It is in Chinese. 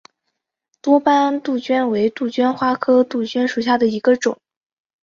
多斑杜鹃为杜鹃花科杜鹃属下的一个种。